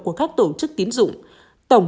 của các tổ chức tiến dụng